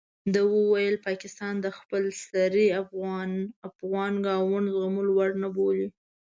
ده وویل پاکستان د خپل سرۍ افغان ګاونډ زغملو وړ نه بولي.